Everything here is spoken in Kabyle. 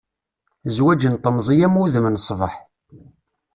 Zwaǧ n temẓi am wudem n ṣṣbeḥ.